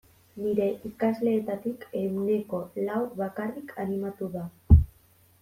Nire ikasleetatik ehuneko lau bakarrik animatu da.